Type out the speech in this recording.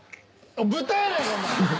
豚やないかお前。